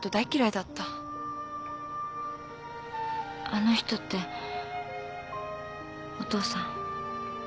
あの人ってお父さん？